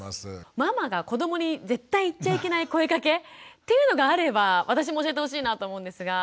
ママが子どもに絶対言っちゃいけない声かけっていうのがあれば私も教えてほしいなと思うんですが。